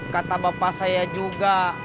kata bapak saya juga